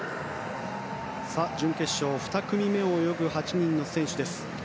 準決勝２組目を泳ぐ８人の選手です。